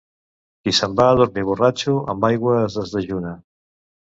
Qui se'n va a dormir borratxo amb aigua es desdejuna.